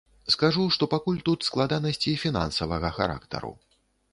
Скажу, што пакуль тут складанасці фінансавага характару.